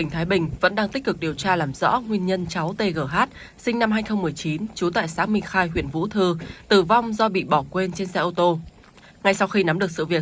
hãy đăng ký kênh để ủng hộ kênh của chúng mình nhé